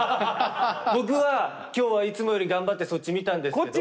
僕は今日はいつもより頑張ってそっち見たんですけど。